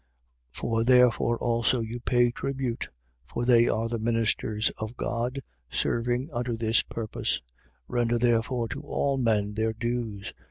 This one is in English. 13:6. For therefore also you pay tribute. For they are the ministers of God, serving unto this purpose. 13:7. Render therefore to all men their dues.